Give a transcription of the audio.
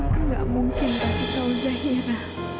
aku nggak mungkin beritahu zaira